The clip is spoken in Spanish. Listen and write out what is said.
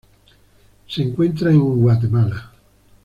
Se encuentra en Guatemala.